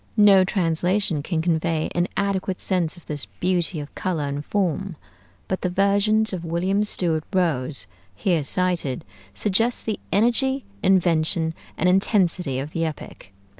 No translation can convey an adequate sense of this beauty of color and form; but the versions of William Stewart Rose, here cited, suggest the energy, invention, and intensity of the epic.